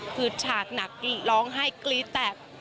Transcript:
คือฉากหนักร้องไห้กรี๊ดแตก